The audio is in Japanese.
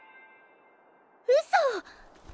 うそ！